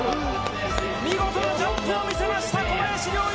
見事なジャンプを見せました小林陵侑！